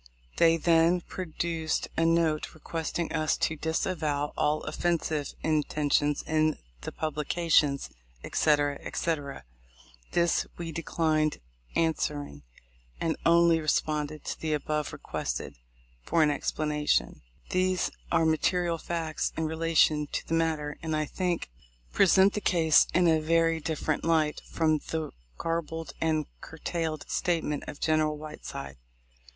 They then produced a note requesting us to "disavow" all offensive intentions in the publications, etc., etc. This we declined answering, and only responded to the above requested for an explanation. These are the material facts in relation to the matter, and I think present the case in a very dif ferent light from the garbled and curtailed statment of General Whiteside.